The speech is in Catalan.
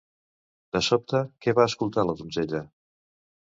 De sobte, què va escoltar la donzella?